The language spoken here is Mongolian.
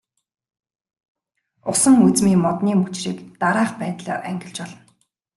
Усан үзмийн модны мөчрийг дараах байдлаар ангилж болно.